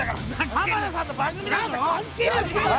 浜田さんの番組だぞ！